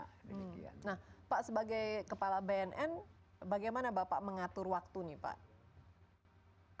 nah pak sebagai kepala bnn bagaimana bapak mengatur waktu nih pak